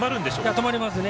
止まりますね。